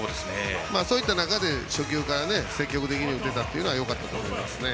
そういった中で初球から積極的に打てたのはよかったと思いますね。